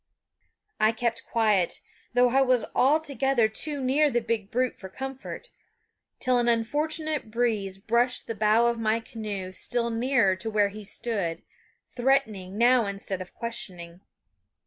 I kept quiet, though I was altogether too near the big brute for comfort, till an unfortunate breeze brushed the bow of my canoe still nearer to where he stood, threatening now instead of questioning.